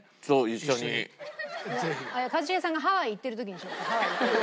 一茂さんがハワイ行ってる時。